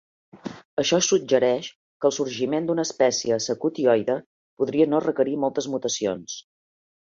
Això suggereix que el sorgiment d'una espècie secotioide podria no requerir moltes mutacions.